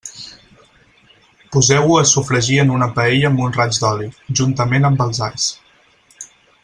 Poseu-ho a sofregir en una paella amb un raig d'oli, juntament amb els alls.